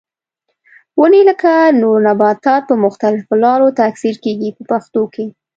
ونې لکه نور نباتات په مختلفو لارو تکثیر کېږي په پښتو کې.